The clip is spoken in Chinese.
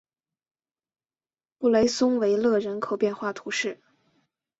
布雷松维勒人口变化图示